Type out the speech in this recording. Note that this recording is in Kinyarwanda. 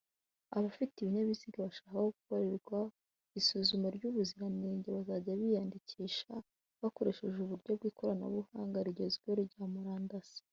Abafite ibinyabiziga bashaka ko bikorerwa isuzuma ry’ubuziranenge bazajya biyandikisha bakoresheje uburyo bw’ikoranabuhanga rigezweho rya murandasi